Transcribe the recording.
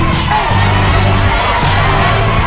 เพื่อชิงทุนต่อชีวิตสุด๑ล้านบาท